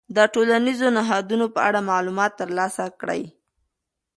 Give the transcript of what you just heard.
د ټولنیزو نهادونو په اړه معلومات ترلاسه کړئ.